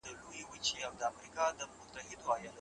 د اروپایي بانکونو بندیزونه د افغانستان پر سوداګرۍ څه اغېز لري؟